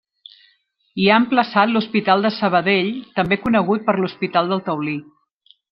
Hi ha emplaçat l'Hospital de Sabadell, també conegut per Hospital del Taulí.